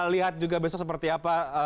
lihat juga besok seperti apa